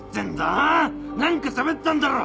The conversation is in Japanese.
あぁ⁉何かしゃべったんだろ！